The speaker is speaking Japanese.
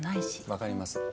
分かります。